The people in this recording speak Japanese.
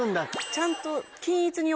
ちゃんと。